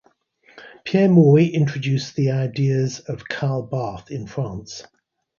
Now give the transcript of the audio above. Pierre Maury introduced the ideas of Karl Barth in France.